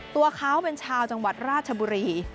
ตัวเขาเป็นชาวจังหวัดราชบุรี